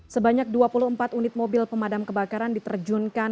sebanyak dua puluh empat unit mobil pemadam kebakaran diterjunkan